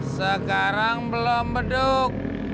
sekarang belum beduk